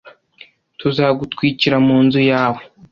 tuzagutwikira mu nzu yawe